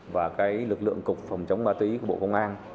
và cái lực lượng cục phòng chống ba tý của bộ công an